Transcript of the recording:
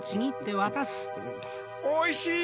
おいしい！